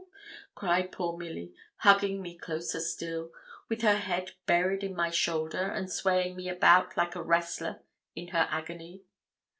cried poor Milly, hugging me closer still, with her head buried in my shoulder, and swaying me about like a wrestler, in her agony.